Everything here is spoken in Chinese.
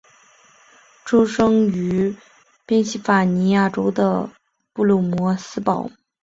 出生于宾夕法尼亚州的布卢姆斯堡。